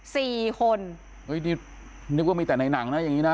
สี่คนเฮ้ยนี่นึกว่ามีแต่ในหนังนะอย่างงี้นะ